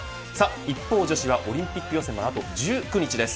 一方女子はオリンピック予選まであと１９日です。